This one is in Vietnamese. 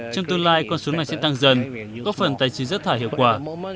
trong tương lai con số này sẽ tăng dần có phần tài chính rác thải hiệu quả